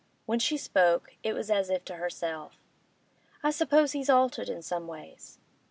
When she spoke, it was as if to herself. 'I suppose he's altered in some ways?